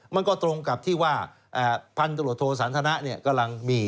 มันก็ตรงกับที่ว่าพันธุรกิจโทรศาลธนาเนี่ยกำลังมี